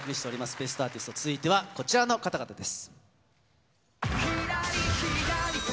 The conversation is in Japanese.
『ベストアーティスト』、続いてはこちらの方々です。